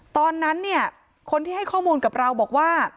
ตอนนั้นเนี่ยคนที่ให้ข้อมูลกับเราบอกว่า